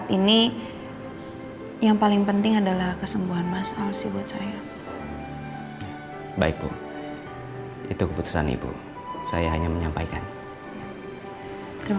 tapi saya ingin beri pandangan kepada ibu untuk berikan pandangan kepada ibu